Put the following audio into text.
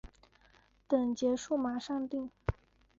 等结束马上订